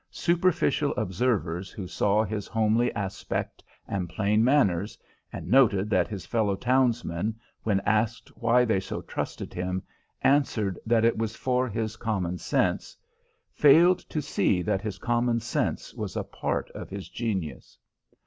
Superficial observers who saw his homely aspect and plain manners, and noted that his fellow townsmen, when asked why they so trusted him, answered that it was for his common sense, failed to see that his common sense was a part of his genius.